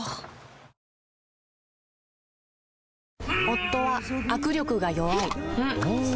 夫は握力が弱い